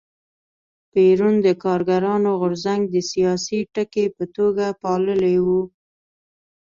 پېرون د کارګرانو غورځنګ د سیاسي تکیې په توګه پاللی و.